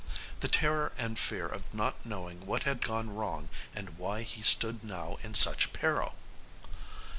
The terror and fear of not knowing what had gone wrong and why he stood now in such peril.